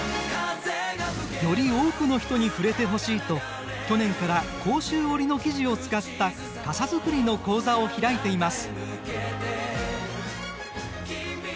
より多くの人に触れてほしいと去年から甲州織の生地を使った傘作りの講座を開いています。